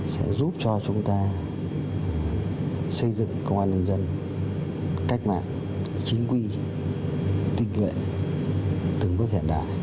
sẽ giúp cho chúng ta xây dựng công an nhân dân cách mạng chính quy tinh nguyện từng bước hiện đại